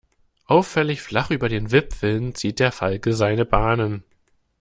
Auffällig flach über den Wipfeln zieht der Falke seine Bahnen.